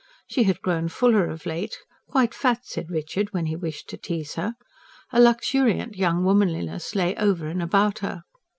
She had grown fuller of late quite fat, said Richard, when he wished to tease her: a luxuriant young womanliness lay over and about her.